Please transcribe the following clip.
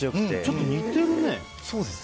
ちょっと似てるね。